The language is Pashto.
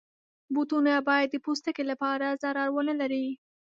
بوټونه باید د پوستکي لپاره ضرر ونه لري.